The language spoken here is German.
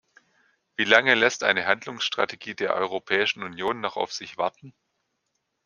Wie lange lässt eine Handlungsstrategie der Europäischen Union noch auf sich warten?